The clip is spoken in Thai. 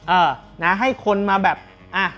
เออนะให้คนมาแบบอ่ะ